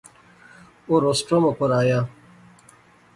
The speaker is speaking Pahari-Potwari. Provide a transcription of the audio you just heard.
او روسٹرم اپر آیا